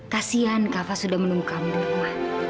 kasian kak fas sudah menunggu kamu di rumah